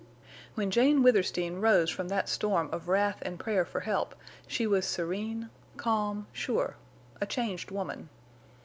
When Jane Withersteen rose from that storm of wrath and prayer for help she was serene, calm, sure—a changed woman.